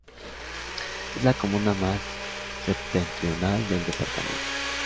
Es la comuna más septentrional del departamento.